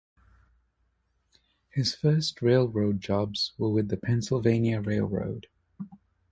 His first railroad jobs were with the Pennsylvania Railroad.